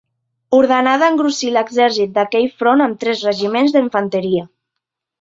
Ordenà d'engrossir l'exèrcit d'aquell front amb tres regiments d'infanteria.